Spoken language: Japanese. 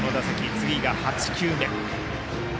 次が８球目。